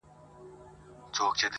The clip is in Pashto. هم یې پلار ننه ایستلی په زندان وو-